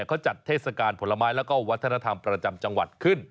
เขาจัดเทศกาลผลไม้แล้วก็วัฒนธรรมประจำจังหวัดขึ้น